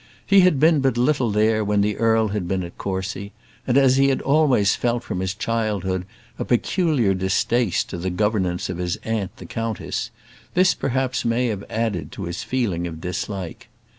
He had been but little there when the earl had been at Courcy; and as he had always felt from his childhood a peculiar distaste to the governance of his aunt the countess, this perhaps may have added to his feeling of dislike.